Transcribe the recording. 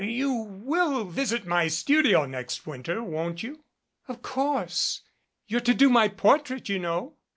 "You will visit my studio next winter, won't you?" "Of course. You're to do my portrait, you know?